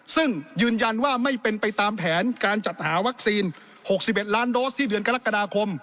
ซึ่งยืนยันว่าไม่เป็นไปตามแผนการจัดหาวัคซีน๖๑ล้านโดสที่เดือนกรกฎาคม